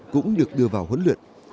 cũng được đưa vào huấn luyện